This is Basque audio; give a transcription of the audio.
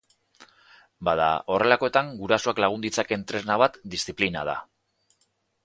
Bada, horrelakoetan, gurasoak lagun ditzakeen tresna bat diziplina da.